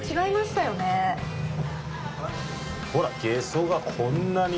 ほらゲソがこんなに！